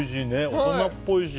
大人っぽいし。